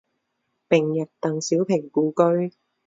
并入邓小平故居。